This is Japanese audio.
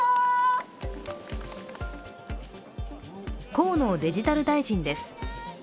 河野デジタル大臣です。